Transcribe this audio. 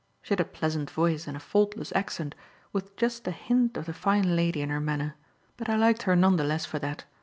She had a pleasant voice and a faultless accent, with just a hint of the fine lady in her manner; but I liked her none the less for that.